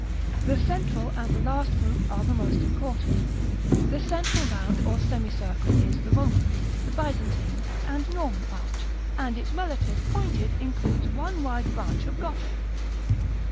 The central and the last group are the most important. The central round, or semicircle, is the Roman, the Byzantine, and Norman arch; and its relative pointed includes one wide branch of Gothic.